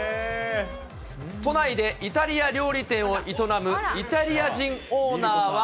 都内でイタリア料理店を営むイタリア人オーナーは。